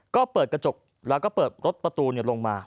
ก็เปิดกระจกแล้วก็เปิดรถประตูลงมา